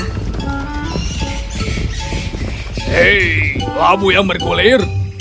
hei labu yang bergulir